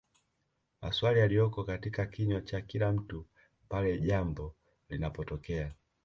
Masawli yaliyoko katika kinywa cha kila mtu pale jambo linapotokea